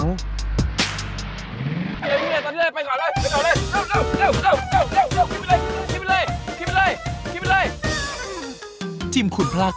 ไปก่อนเลยไปก่อนเลย